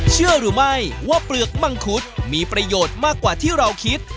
เชื่อหรือไม่ว่าเปลือกมังคุดมีประโยชน์มากกว่าที่เราคิด